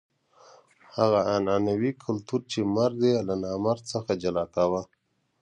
هغه عنعنوي کلتور چې مرد یې له نامرد څخه جلا کاوه.